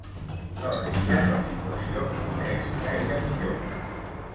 A les Illes, la situació no és gaire millor.